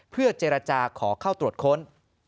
เพื่อเจรจาขอเข้าตรวจค้น